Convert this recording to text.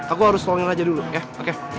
aku harus tolongin raja dulu ya oke